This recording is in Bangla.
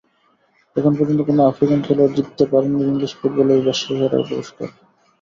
এখন পর্যন্ত কোনো আফ্রিকান খেলোয়াড় জিততে পারেননি ইংলিশ ফুটবলের বর্ষসেরার পুরস্কার।